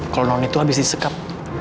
kalau non itu habis disekap